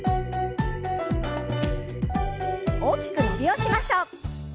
大きく伸びをしましょう。